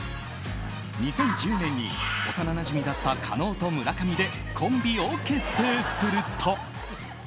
２０１０年に幼なじみだった加納と村上でコンビを結成すると。